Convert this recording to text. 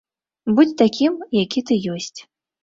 Будзь такім, які ты ёсць.